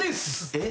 えっ？